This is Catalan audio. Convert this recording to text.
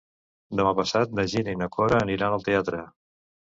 Demà passat na Gina i na Cora aniran al teatre.